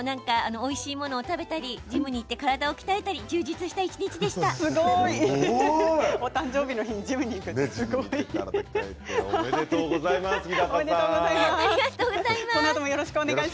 おいしいもの食べたりジムに行って体を鍛えたり充実した一日でした。